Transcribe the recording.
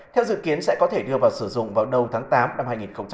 theo dự kiến sẽ có thể đưa vào sử dụng vào đầu tháng tám năm hai nghìn hai mươi